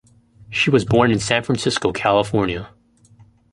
She was born in San Francisco, California.